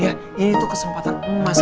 ya ini tuh kesempatan emas ya